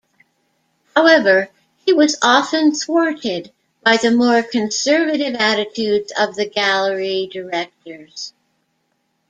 However, he was often thwarted by the more conservative attitudes of the gallery directors.